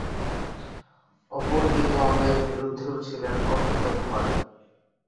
অপর দিকে অন্যায়ের বিরুদ্ধেও ছিলেন অকুতোভয়।